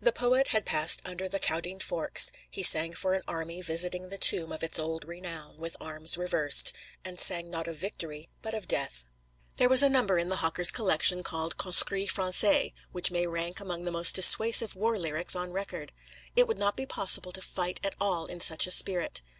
The poet had passed under the Caudine Forks; he sang for an army visiting the tomb of its old renown, with arms reversed; and sang not of victory, but of death. There was a number in the hawker's collection called 'Conscrits Français,' which may rank among the most dissuasive war lyrics on record. It would not be possible to fight at all in such a spirit.